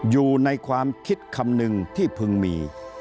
อยู่ในความคิดคำนึงที่พึงมี